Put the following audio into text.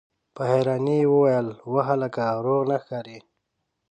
په حيرانۍ يې وويل: وه هلکه! روغ نه ښکارې!